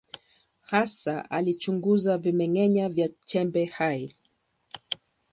Hasa alichunguza vimeng’enya vya chembe hai.